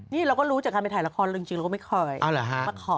นี่เราก็รู้จากการไปถ่ายละครจริงแล้วก็ไม่ค่อยมาขอบ